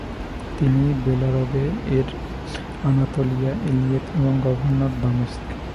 তিনি বেলারবে এর আনাতোলিয়া এলিয়েত এবং গভর্নর দামেস্ক ।